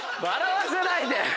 笑わせないで！